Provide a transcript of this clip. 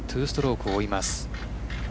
２ストロークを追います。